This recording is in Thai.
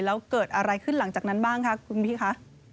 แล้วเกิดอะไรขึ้นหลังจากนั้นบ้างคะคุณพี่คะ